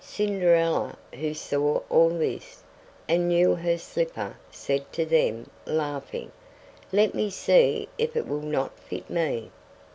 Cinderella, who saw all this, and knew her slipper, said to them, laughing: "Let me see if it will not fit me."